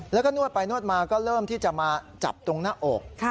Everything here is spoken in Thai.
แล้วก็นวดไปนวดมาก็เริ่มที่จะมาจับตรงหน้าอก